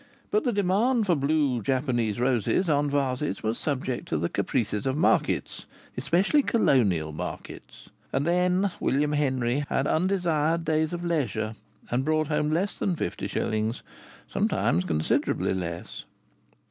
But the demand for blue Japanese roses on vases was subject to the caprices of markets especially Colonial markets and then William Henry had undesired days of leisure, and brought home less than fifty shillings, sometimes considerably less.